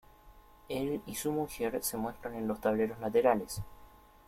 Él y su mujer se muestran en los tableros laterales.